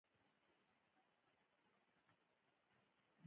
د ټرانسپورټ لپاره یې هم له بندرونو ګټه اخیسته.